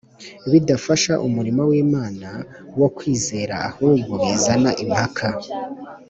bidafasha umurimo w’Imana wo kwizera ahubwo bizana impaka.